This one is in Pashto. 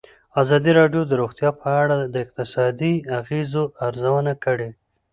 ازادي راډیو د روغتیا په اړه د اقتصادي اغېزو ارزونه کړې.